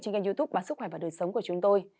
trên kênh youtube báo sức khỏe và đời sống của chúng tôi